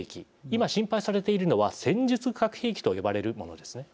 今心配されているのは戦術核兵器と呼ばれるものですね。